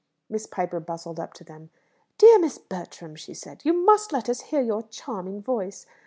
Miss Piper bustled up to them. "Dear Miss Bertram," she said, "you must let us hear your charming voice.